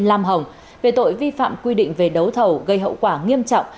lam hồng về tội vi phạm quy định về đấu thầu gây hậu quả nghiêm trọng